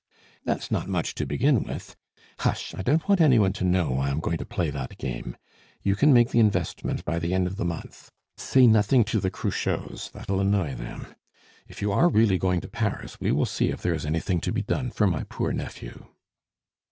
"That's not much to begin with. Hush! I don't want any one to know I am going to play that game. You can make the investment by the end of the month. Say nothing to the Cruchots; that'll annoy them. If you are really going to Paris, we will see if there is anything to be done for my poor nephew."